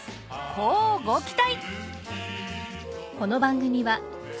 乞うご期待！